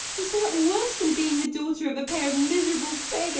Is that worse than being the daughter of a pair of miserable beggars?